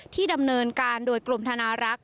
ที่ดำเนินการโดยกลุ่มทางรัก